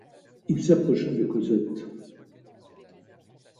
Il s'approcha de Cosette.